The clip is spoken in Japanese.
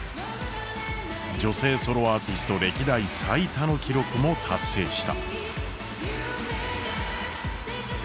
女性ソロアーティスト歴代最多の記録も達成した。